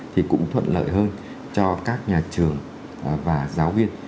thì cũng thuận lợi hơn cho các nhà trường và giáo viên